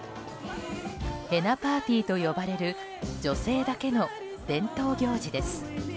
ヘナ・パーティーと呼ばれる女性だけの伝統行事です。